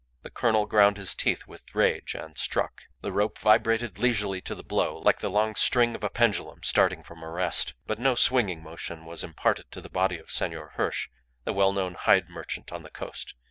The colonel ground his teeth with rage and struck. The rope vibrated leisurely to the blow, like the long string of a pendulum starting from a rest. But no swinging motion was imparted to the body of Senor Hirsch, the well known hide merchant on the coast.